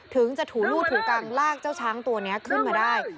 ถึงจะถูรูดถูกังลากเจ้าช้างตัวนี้ขึ้นมาได้